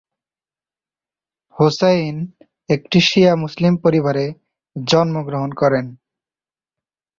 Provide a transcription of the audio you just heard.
হুসেইন একটি শিয়া মুসলিম পরিবারে জন্মগ্রহণ করেন।